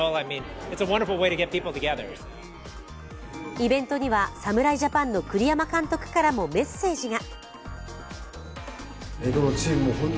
イベントには侍ジャパンの栗山監督からもメッセージが。